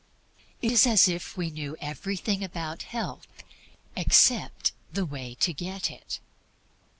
It is as if we knew everything about health except the way to get it.